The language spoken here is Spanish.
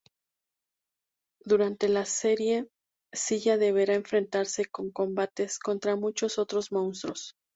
Durante la serie, Zilla deberá enfrentarse en combates contra muchos otros monstruos.